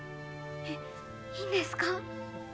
えっいいんですか？